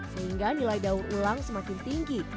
sehingga nilai daur ulang semakin tinggi